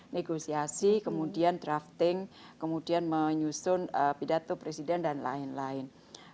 negosiasi kemudian drafting kemudian menyusun pidato presiden dan lain lain